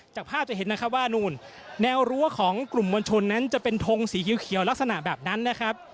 จากภาพจะเห็นนะครับว่านู่นแนวรั้วของกลุ่มมวลชนนั้นจะเป็นทงสีเขียวลักษณะแบบนั้นนะครับ